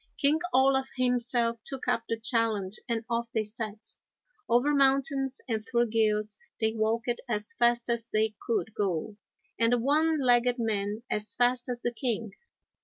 King Olaf himself took up the challenge, and off they set. Over mountains and through gills they walked, as fast as they could go, and the one legged man as fast as the king.